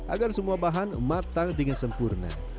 agar semua bahan matang dengan sempurna